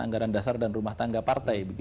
anggaran dasar dan rumah tangga partai